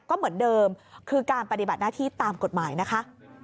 ก็เหมือนเดิมคือการปฏิบัติหน้าที่ตามกฎหมายนะคะ